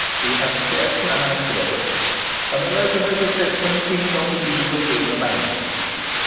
He had scarcely an adherent, and the locomotive system seemed on the eve of being abandoned.